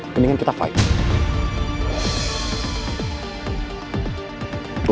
kedingin kita fight